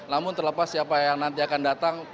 namun terlepas siapa yang nanti akan datang